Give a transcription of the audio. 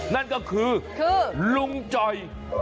นั่นก็คือลุงจ่อย